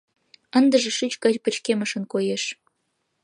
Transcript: Ындыже шӱч гай пычкемышын коеш.